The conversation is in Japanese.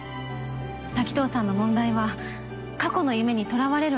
滝藤さんの問題は過去の夢にとらわれる